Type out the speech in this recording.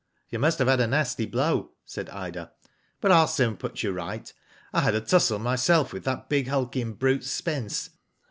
•*You must have had a nasty blow,'* said Ida. '* But ril soon put you right. I had a tussle my self with that big hulking brute, Spence.